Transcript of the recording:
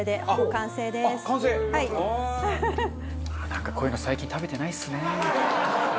なんかこういうの最近食べてないですね。